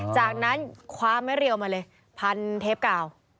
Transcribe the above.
จากนั้นคว้าไม้เรียวมาเลยพันเทปกาว